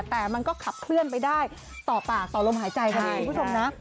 แต่มันก็ขับเคลื่อนไปได้ต่อปากต่อลมหายใจกันเลยคุณผู้ชมนะ